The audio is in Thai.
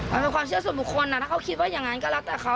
มันเป็นความเชื่อส่วนบุคคลถ้าเขาคิดว่าอย่างนั้นก็แล้วแต่เขา